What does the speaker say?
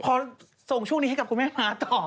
ส่งช่วงนี้ให้กับคุณแม่ม้าต่อ